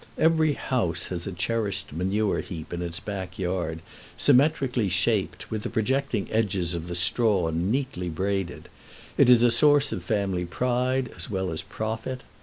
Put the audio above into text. Every house has a cherished manure heap in its back yard, symmetrically shaped, with the projecting edges of the straw neatly braided: it is a source of family pride as well as profit.